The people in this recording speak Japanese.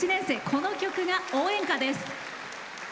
この曲が応援歌です。